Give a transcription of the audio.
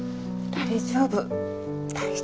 大丈夫。